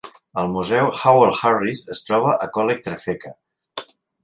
El museu Howell Harris es troba a Coleg Trefeca.